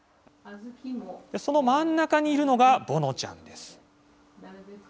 その真ん中にいるのがぼのちゃんです。